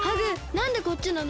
なんでこっちなの？